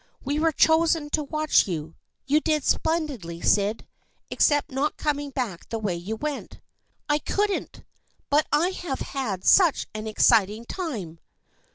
We were chosen to watch you. You did splendidly, Syd, except not coming back the way you went." " I couldn't ! But I have had such an exciting time